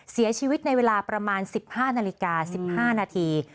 เสียชีวิตในเวลาประมาณ๑๕นาฬิกา๑๕นาที